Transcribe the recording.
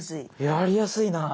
やりやすいなぁ。